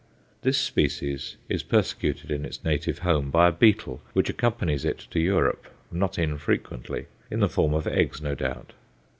This species is persecuted in its native home by a beetle, which accompanies it to Europe not infrequently in the form of eggs, no doubt.